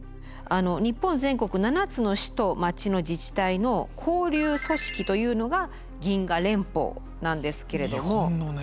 日本全国７つの市と町の自治体の交流組織というのが銀河連邦なんですけれども。